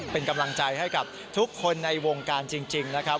เป็นกำลังใจให้กับทุกคนในวงการจริงนะครับ